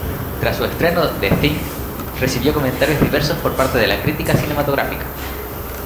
Tras su estreno "The Thing" recibió comentarios diversos por parte de la crítica cinematográfica.